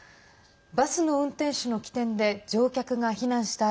バスの運転手の機転で乗客が避難した